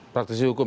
praktisi hukum ya